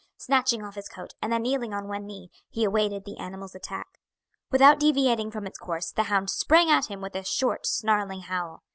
Snatching off his coat, and then kneeling on one knee, he awaited the animal's attack. Without deviating from its course the hound sprang at him with a short snarling howl.